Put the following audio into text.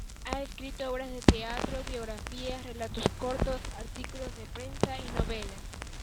Ha escrito obras de teatro, biografías, relatos cortos, artículos de prensa y novelas.